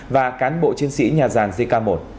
và cán bộ chiến sĩ nhà giàn jk một